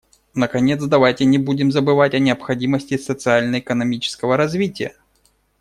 Наконец, давайте не будем забывать о необходимости социально-экономического развития.